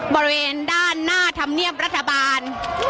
บริเวณด้านหน้าธรรมเนียบรัฐบาล